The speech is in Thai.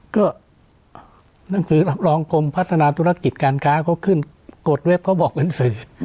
ก็หนังสือรับรองกรมพัฒนาธุรกิจการค้าเขาขึ้นกดเว็บเขาบอกเป็นสื่อ